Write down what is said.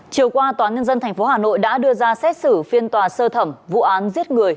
chiều qua tòa nhân dân tp hà nội đã đưa ra xét xử phiên tòa sơ thẩm vụ án giết người